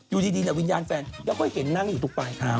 อยู่ดีวิญญาณแฟนก็ค่อยเห็นนั่งอยู่ตรงปลายเท้า